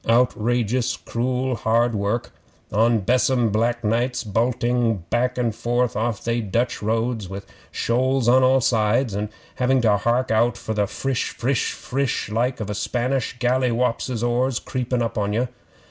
Outrageous cruel hard work on besom black nights bulting back and forth off they Dutch roads with shoals on all sides, and having to hark out for the frish frish frish like of a Spanish galliwopses' oars creepin' up on ye.